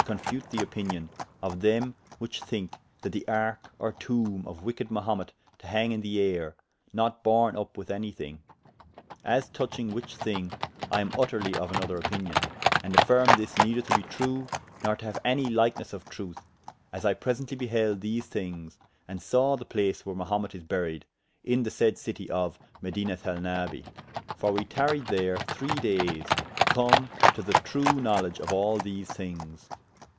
339] confute the opinion of them whiche thynke that the arke or toombe of wicked Mahumet to hang in the ayre, not borne vp with any thing. As touching which thyng, I am vtterly of an other opinion, and affirme this neyther to be true, nor to haue any lykenesse of trueth, as I presently behelde these thynges, and sawe the place where Mahumet is buried, in the said citie of Medinathalnabi: for we taryed there three dayes, to come to the true knowledge of all these thynges.